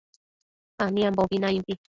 aniambobi naimbi